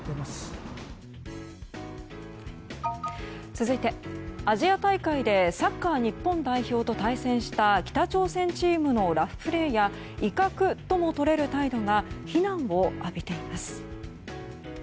続いて、アジア大会でサッカー日本代表と対戦した北朝鮮チームのラフプレーや威嚇とも取れる態度が非難を浴びています。